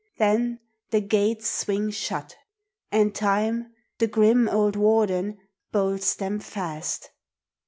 Then the gates swing shut, And Time, the grim old warden, bolts them fast.